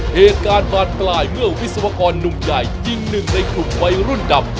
เหตุการณ์บานปลายเมื่อวิศวกรหนุ่มใหญ่ยิงหนึ่งในกลุ่มวัยรุ่นดำ